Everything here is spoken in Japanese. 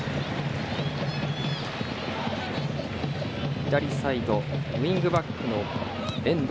左サイドウィングバックの遠藤。